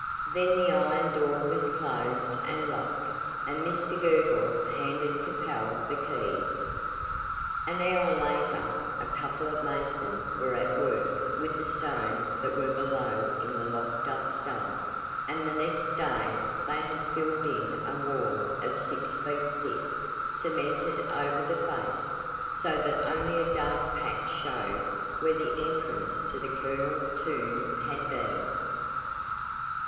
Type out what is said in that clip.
Then the iron door was closed and locked, and Mr Girtle handed Capel the keys. An hour later, a couple of masons were at work with the stones that were below in the locked up cellar, and the next day they had filled in a wall of six feet thick, cemented over the face, so that only a dark patch showed where the entrance to the colonel's tomb had been.